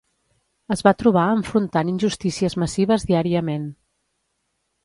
Es va trobar enfrontant injustícies massives diàriament.